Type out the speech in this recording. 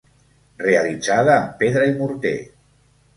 Realitzada amb pedra i morter.